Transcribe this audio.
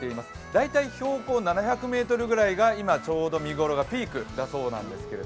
大体、標高７００ｍぐらいが今、見頃がピークだそうです。